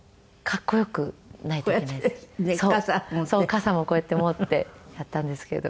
傘もこうやって持ってやったんですけど。